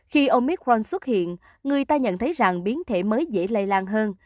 khi omicron xuất hiện người ta nhận thấy rằng biến thể mới dễ lây lan hơn